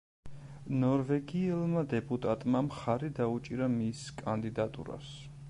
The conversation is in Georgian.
ნორვეგიელმა დეპუტატმა მხარი დაუჭირა მის კანდიდატურას.